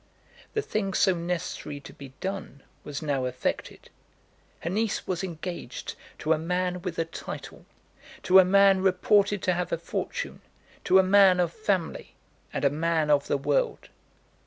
The thing so necessary to be done was now effected. Her niece was engaged to a man with a title, to a man reported to have a fortune, to a man of family, and a man of the world.